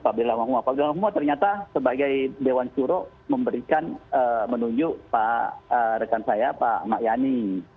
pak bela umar ternyata sebagai dewan suruh memberikan menunjukkan rekan saya pak mak yani